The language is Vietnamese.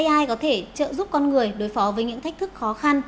ai có thể trợ giúp con người đối phó với những thách thức khó khăn